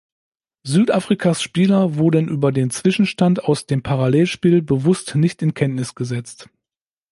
Südafrikas Spieler wurden über den Zwischenstand aus dem Parallelspiel bewusst nicht in Kenntnis gesetzt.